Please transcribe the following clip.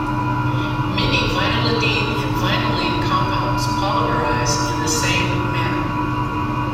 Many vinylidene and vinylene compounds polymerize in the same manner.